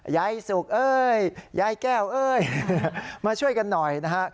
ยายสุกเอ้ยยายแก้วเอ้ยมาช่วยกันหน่อยนะฮะ